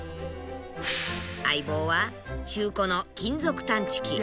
相棒は中古の金属探知機。